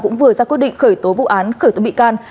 cũng vừa ra quyết định khởi tố vụ án khởi tố bị can